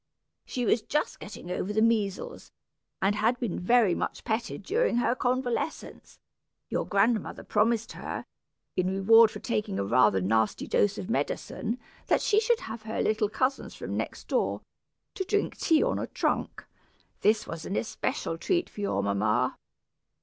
"She was just getting over the measles, and had been very much petted during her convalescence. Your grandmother promised her, in reward for taking a rather nasty dose of medicine, that she should have her little cousins from next door, to drink tea on a trunk. This was an especial treat to your mamma.